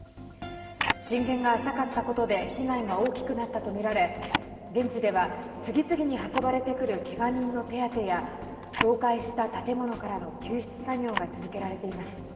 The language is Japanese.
震源が浅かったことで被害が大きくなったとみられ現地では、次々に運ばれてくるけが人の手当てや倒壊した建物からの救出作業が続けられています。